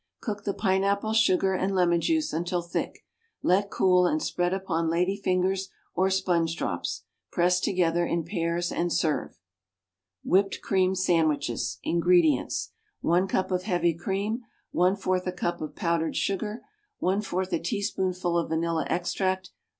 _ Cook the pineapple, sugar and lemon juice until thick; let cool, and spread upon lady fingers or sponge drops. Press together in pairs and serve. =Whipped Cream Sandwiches.= INGREDIENTS. 1 cup of heavy cream. 1/4 a cup of powdered sugar. 1/4 a teaspoonful of vanilla extract.